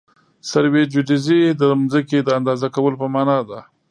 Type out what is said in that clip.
سروي جیودیزي د ځمکې د اندازه کولو په مانا ده